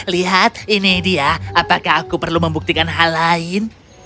lihat ini dia apakah aku perlu membuktikan hal lain